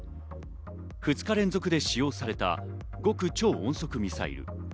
２日連続で使用された極超音速ミサイル。